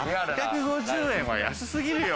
８５０円は安すぎるよ。